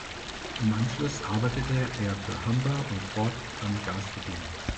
Im Anschluss arbeitete er für "Humber" und "Ford" an Gasturbinen.